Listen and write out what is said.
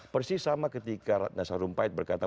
persis sama ketika nasar rumpait berkata